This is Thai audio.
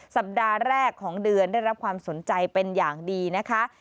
สัปดาห์แรกของเดือนได้รับความสนใจเป็นอย่างดีนะคะ